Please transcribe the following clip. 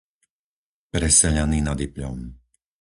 Preseľany nad Ipľom